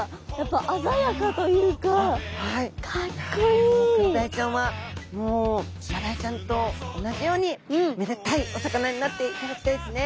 いやもうクロダイちゃんはもうマダイちゃんと同じようにめでタイお魚になっていただきたいですね。